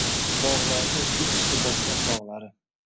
Bog’larni gul isi bosgan chog’lari